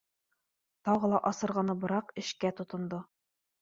Тағы ла асырғаныбыраҡ эшкә тотондо